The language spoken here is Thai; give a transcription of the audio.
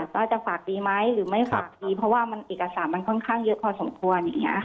ว่าจะฝากดีไหมหรือไม่ฝากดีเพราะว่ามันเอกสารมันค่อนข้างเยอะพอสมควรอย่างนี้